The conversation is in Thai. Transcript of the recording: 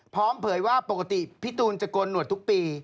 เผยว่าปกติพี่ตูนจะโกนหนวดทุกปี